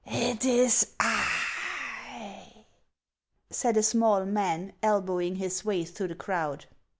" It is I !" said a small man, elbowing his way through the crowd.